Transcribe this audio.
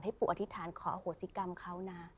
ปู่อธิษฐานขออโหสิกรรมเขานะ